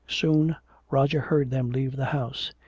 Soon Roger heard them leave the house.